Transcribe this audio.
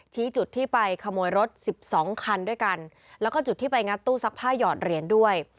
ชี้จุดที่ไปขโมยรถสิบสองคันด้วยกันแล้วก็จุดที่ไปงัดตู้ซักผ้าหยอดเหรียญด้วย